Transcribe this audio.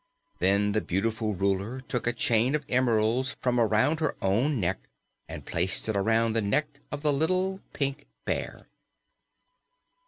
Then the beautiful Ruler took a chain of emeralds from around her own neck and placed it around the neck of the little Pink Bear.